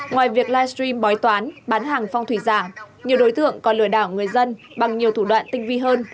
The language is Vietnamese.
ngoài việc livestream bói toán bán hàng phong thủy giả nhiều đối tượng còn lừa đảo người dân bằng nhiều thủ đoạn tinh vi hơn